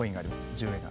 １０円が。